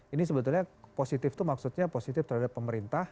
ini sebetulnya positif itu maksudnya positif terhadap pemerintah